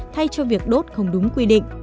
thay cho việc đốt không đúng quy định